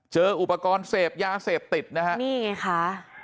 เจออุปกรณ์เสพยาเสพติดนะครับ